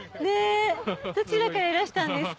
どちらからいらしたんですか？